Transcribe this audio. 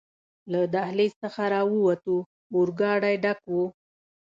له دهلېز څخه راووتو، اورګاډی ډک و.